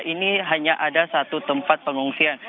ini hanya ada satu tempat pengungsian